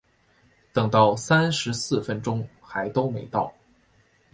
等到三十四分都还没到